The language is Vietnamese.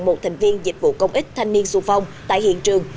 một thành viên dịch vụ công ích thanh niên xuân phong tại hiện trường